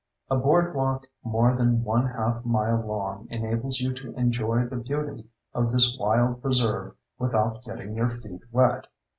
A boardwalk more than one half mile long enables you to enjoy the beauty of this wild preserve without getting your feet wet.